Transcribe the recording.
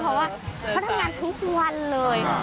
เพราะว่าเขาทำงานทุกวันเลย